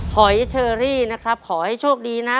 หอยเชอรี่นะครับขอให้โชคดีนะ